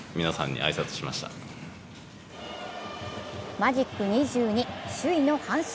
マジック２２、首位の阪神。